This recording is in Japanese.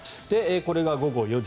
これが午後４時。